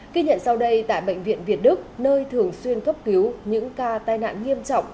ký nhận sau đây tại bệnh viện việt đức nơi thường xuyên cấp cứu những ca tai nạn nghiêm trọng